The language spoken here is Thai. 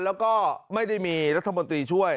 แล้วก็ไม่ได้มีรัฐมนตรีช่วย